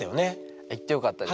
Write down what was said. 行ってよかったです。